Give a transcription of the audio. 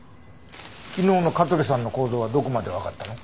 昨日の香取さんの行動はどこまでわかったの？